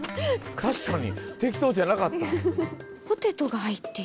確かに適当じゃなかった。